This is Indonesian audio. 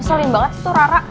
solin banget sih tuh rara